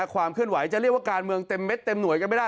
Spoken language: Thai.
ความเคลื่อนไหวจะเรียกว่าการเมืองเต็มเม็ดเต็มหน่วยกันไม่ได้